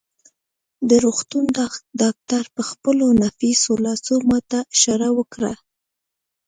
د روغتون ډاکټر په خپلو نفیسو لاسو ما ته اشاره وکړه.